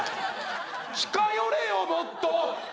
近寄れよもっと！